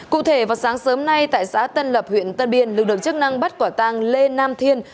cụ thể vào sáng sớm nay tại xã tân lập huyện tân biên lực lượng chức năng bắt quả tàng lê nam thiên